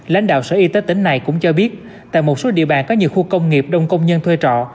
lãnh đạo sở y tế tỉnh này cũng cho biết tại một số địa bàn có nhiều khu công nghiệp đông công nhân thuê trọ